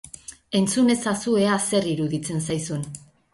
Entzun ezazu, ea zer iruditzen zaizun!